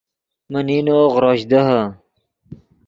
من نینو غروش دیہے